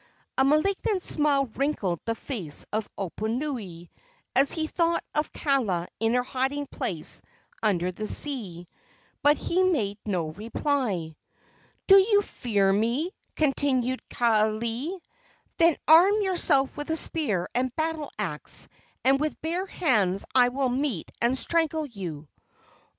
A malignant smile wrinkled the face of Oponui, as he thought of Kaala in her hiding place under the sea, but he made no reply. "Do you fear me?" continued Kaaialii. "Then arm yourself with spear and battle axe, and with bare hands I will meet and strangle you!"